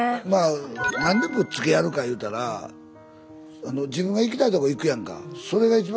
まあなんでぶっつけやるか言うたら自分が行きたいとこ行くやんか。